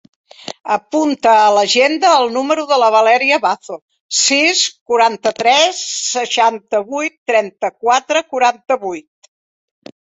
Apunta a l'agenda el número de la Valèria Bazo: sis, quaranta-tres, seixanta-vuit, trenta-quatre, quaranta-vuit.